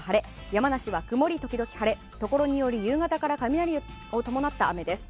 山梨は曇り時々晴れところにより夕方から雷を伴った雨です。